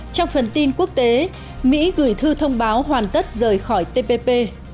trong phần tin quốc tế mỹ gửi thư thông báo hoàn tất rời khỏi tpp